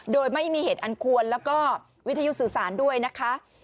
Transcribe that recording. โดยไม่มีเหตุอันควรแล้วก็วิทยุสื่อสารด้วยนะคะ